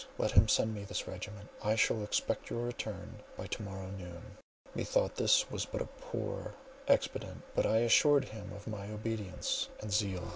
Let him send me this regiment. I shall expect your return by to morrow noon." Methought this was but a poor expedient; but I assured him of my obedience and zeal.